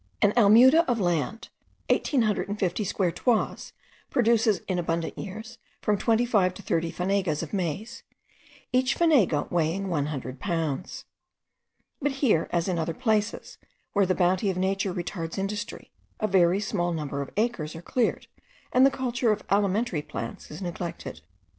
An almuda of land, 1850 square toises, produces in abundant years from 25 to 30 fanegas of maize, each fanega weighing 100 pounds. But here, as in other places, where the bounty of nature retards industry, a very small number of acres are cleared, and the culture of alimentary plants is neglected.